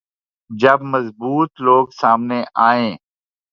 جب مضبوط لوگ سامنے آئیں۔